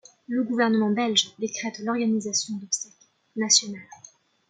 Le gouvernement belge décrète l'organisation d'obsèques nationales.